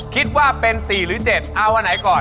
คิดว่าเป็น๔หรือ๗เอาอันไหนก่อน